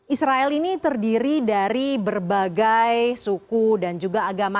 israel ini terdiri dari berbagai suku dan juga agama